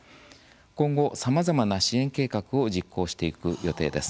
今後、さまざまな支援計画を実行していく予定です。